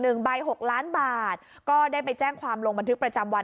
หนึ่งใบหกล้านบาทก็ได้ไปแจ้งความลงบันทึกประจำวัน